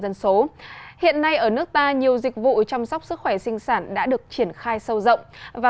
dân số hiện nay ở nước ta nhiều dịch vụ chăm sóc sức khỏe sinh sản đã được triển khai sâu rộng và